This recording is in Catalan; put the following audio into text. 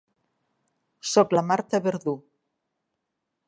Soc la Marta Verdú.